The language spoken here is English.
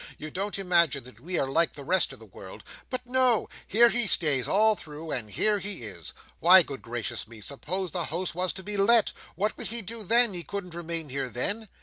You don't imagine that we are like the rest of the world?' But no; here he stays all through, and here he is. Why, good gracious me, suppose the house was to be let! What would he do then? He couldn't remain here then.